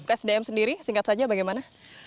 usdm sendiri singkat saja bagaimana